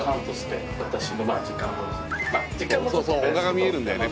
男鹿が見えるんだよね